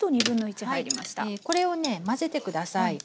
これをね混ぜて下さい。